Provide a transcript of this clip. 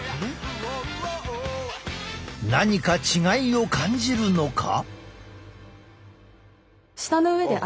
何か違いを感じるのか？